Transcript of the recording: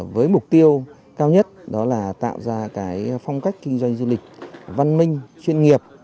với mục tiêu cao nhất đó là tạo ra cái phong cách kinh doanh du lịch văn minh chuyên nghiệp